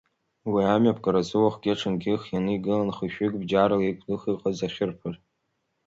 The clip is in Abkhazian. Уи амҩаԥгаразы уахгьы ҽынгьы ихианы игылан хәышәҩык бџьарла еиқәных иҟаз ахьырԥар.